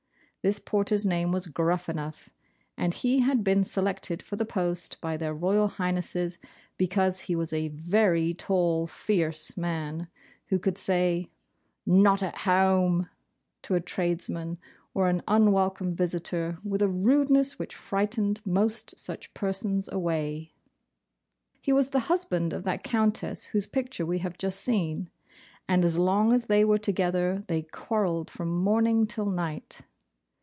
This porter's name was Gruffanuff, and he had been selected for the post by their Royal Highnesses because he was a very tall fierce man, who could say 'Not at home' to a tradesman or an unwelcome visitor with a rudeness which frightened most such persons away. He was the husband of that Countess whose picture we have just seen, and as long as they were together they quarrelled from morning till night.